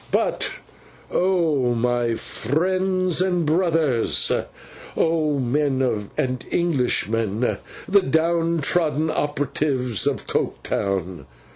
'But oh, my friends and brothers! Oh, men and Englishmen, the down trodden operatives of Coketown!